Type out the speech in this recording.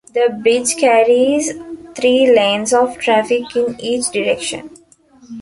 The bridge carries three lanes of traffic in each direction.